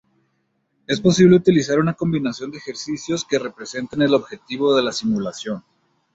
Es posible utilizar una combinación de ejercicios que representen el objetivo de la simulación.